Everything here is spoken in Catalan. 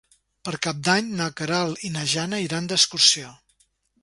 Per Cap d'Any na Queralt i na Jana iran d'excursió.